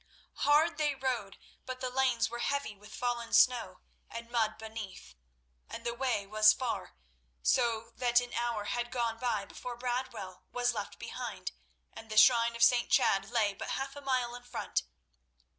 Hard they rode, but the lanes were heavy with fallen snow and mud beneath, and the way was far, so that an hour had gone by before Bradwell was left behind, and the shrine of St. Chad lay but half a mile in front.